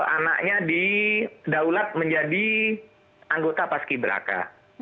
anaknya di daulat menjadi anggota paskibraka